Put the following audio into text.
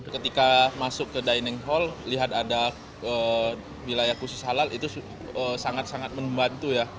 ketika masuk ke dining hall lihat ada wilayah khusus halal itu sangat sangat membantu ya